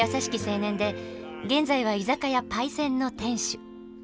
青年で現在は居酒屋「パイセン」の店主。